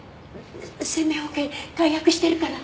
生命保険解約してるから。